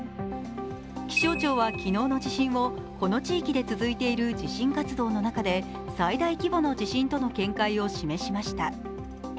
気象庁は昨日の地震をこの地域で続いている地震活動の中で最大規模の地震との見解を示しました。